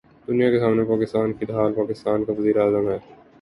دنیا کے سامنے پاکستان کی ڈھال پاکستان کا وزیراعظم ہے۔